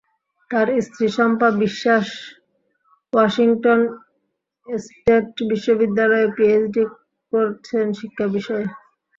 তাঁর স্ত্রী Shampa Biswas Washington State বিশ্ববিদ্যালয়ে পিএইচডি করছেন শিক্ষা বিষয়ে।